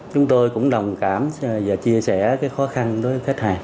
chúng tôi cũng đồng cảm và chia sẻ khó khăn đối với khách hàng